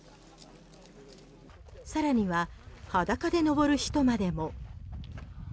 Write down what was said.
更には裸で登る人までも。